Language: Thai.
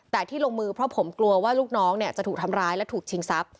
แต่ที่ลงมือเพราะผมกลัวว่าลูกน้องเนี่ยจะถูกทำร้ายและถูกชิงทรัพย